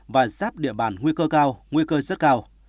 và giáp địa bàn nguy cơ cao nguy cơ rất cao